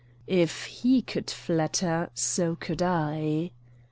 If he could flatter, so could I.